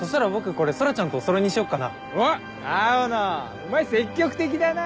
お前積極的だな。